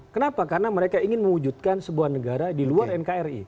kenapa karena mereka ingin mewujudkan sebuah negara di luar nkri